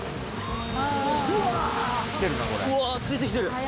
うわー、ついてきてる。